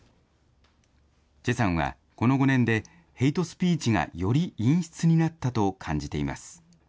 チェさんはこの５年でヘイトスピーチがより陰湿になったと感じています。